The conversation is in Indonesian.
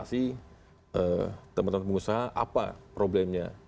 kita sih teman teman pengusaha apa problemnya